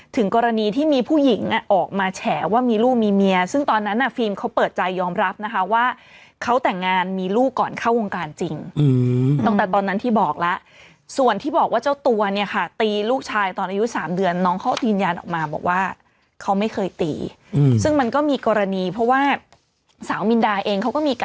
ถึงกรณีที่มีผู้หญิงออกมาแฉว่ามีลูกมีเมียซึ่งตอนนั้นฟิล์มเขาเปิดใจยอมรับนะคะว่าเขาแต่งงานมีลูกก่อนเข้าวงการจริงตั้งแต่ตอนนั้นที่บอกแล้วส่วนที่บอกว่าเจ้าตัวเนี่ยค่ะตีลูกชายตอนอายุ๓เดือนน้องเขายืนยันออกมาบอกว่าเขาไม่เคยตีซึ่งมันก็มีกรณีเพราะว่าสาวมินดาเองเขาก็มีก